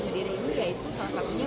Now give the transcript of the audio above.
berdiri ini yaitu salah satunya